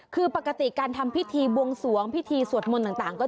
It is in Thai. คือปกติการทำพิธีบวงสวงพิธีสวดมนต์ต่างก็